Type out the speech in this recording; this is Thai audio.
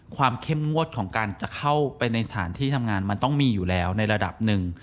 เข้มงวดของการจะเข้าไปในสถานที่ทำงานมันต้องมีอยู่แล้วในระดับหนึ่ง